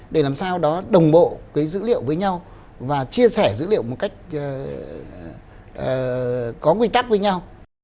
để làm sao đó đồng bộ với dữ liệu với nhau và chia sẻ dữ liệu một cách có nguyên tắc với nhau